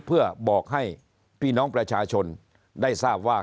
เพื่อบอกให้พี่น้องประชาชนได้ทราบว่า